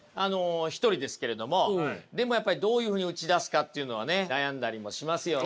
１人ですけれどもでもやっぱりどういうふうに打ち出すかっていうのはね悩んだりもしますよね。